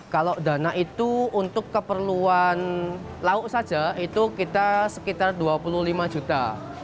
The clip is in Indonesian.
kalau dana itu untuk keperluan lauk saja itu kita sekitar dua puluh lima juta